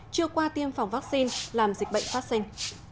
chưa qua tiêm phòng vaccine làm dịch bệnh phát sinh